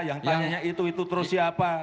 yang tanyanya itu itu terus siapa